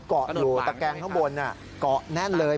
เกาะอยู่ตะแกงข้างบนเกาะแน่นเลย